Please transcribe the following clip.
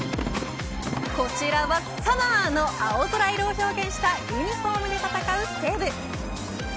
こちらはＳＵＭＭＥＲの青空色を表現したユニフォームで戦う西武。